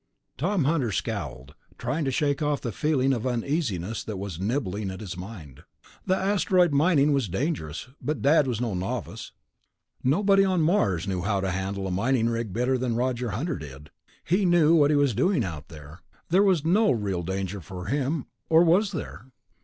Tom Hunter scowled, trying to shake off the feeling of uneasiness that was nibbling at his mind. Asteroid mining was dangerous ... but Dad was no novice. Nobody on Mars knew how to handle a mining rig better than Roger Hunter did. He knew what he was doing out there, there was no real danger for him or was there....